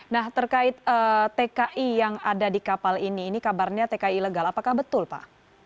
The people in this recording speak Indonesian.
nah terkait tki yang ada di kapal ini ini kabarnya tki ilegal apakah betul pak